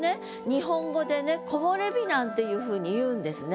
日本語でねなんていうふうに言うんですね